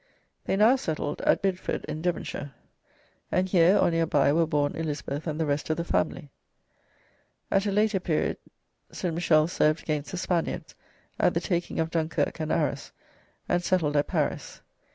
They now settled at Bideford in Devonshire, and here or near by were born Elizabeth and the rest of the family. At a later period St. Michel served against the Spaniards at the taking of Dunkirk and Arras, and settled at Paris.